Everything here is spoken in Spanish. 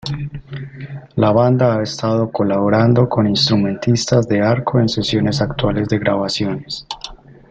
La banda ha estado colaborando con instrumentistas de arco en sesiones actuales de grabaciones.